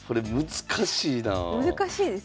難しいですよね。